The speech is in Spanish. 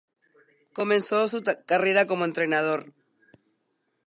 Comenzó su carrera como entrenador.